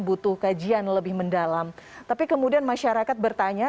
butuh kajian lebih mendalam tapi kemudian masyarakat bertanya